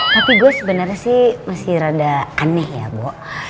tapi gue sebenernya sih masih rada aneh ya bok